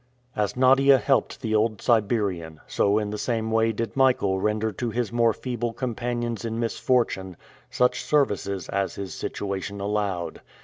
As Nadia helped the old Siberian, so in the same way did Michael render to his more feeble companions in misfortune such services as his situation allowed.